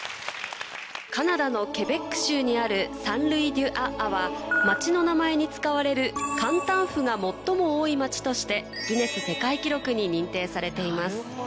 カナダのケベック州にある「サン＝ルイ＝デュ＝ア！・ア！」は町の名前に使われる感嘆符が最も多い町としてに認定されています